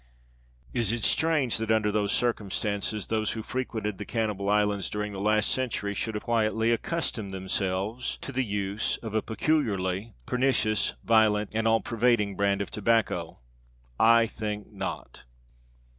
Is it strange that under these circumstances those who frequented the cannibal islands during the last century should have quietly accustomed themselves to the use of a peculiarly pernicious, violent, and all pervading brand of tobacco? I think not.